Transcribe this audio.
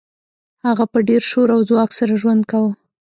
هغه په ډیر شور او ځواک سره ژوند کاوه